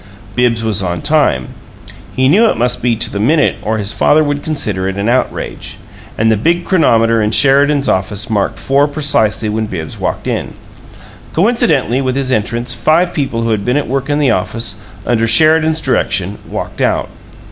Bibbs was on time. He knew it must be "to the minute" or his father would consider it an outrage; and the big chronometer in Sheridan's office marked four precisely when Bibbs walked in. Coincidentally with his entrance five people who had been at work in the office, under Sheridan's direction, walked out.